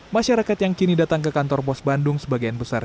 masyarakat yang kini datang ke kantor pos bandung sebagian besar